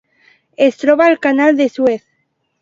Es troba al Canal de Suez.